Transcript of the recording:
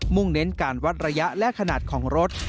่งเน้นการวัดระยะและขนาดของรถ